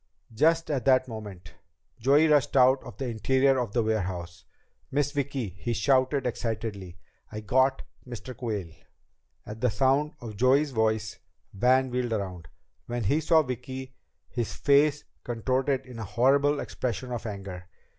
Just at that moment Joey rushed out of the interior of the warehouse. "Miss Vicki," he shouted excitedly, "I got Mr. Quayle!" At the sound of Joey's voice Van wheeled around. When he saw Vicki, his face contorted in a horrible expression of anger.